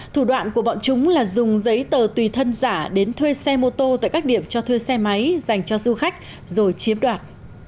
thủ đoạn của bọn chúng là dùng giấy tờ tùy thân giả đến thuê xe mô tô tại các điểm cho thuê xe máy dành cho du khách rồi chiếm đoạt